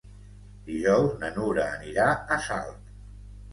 Dijous na Nura anirà a Salt.